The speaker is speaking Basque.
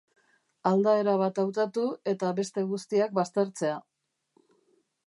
Aldaera bat hautatu eta beste guztiak baztertzea.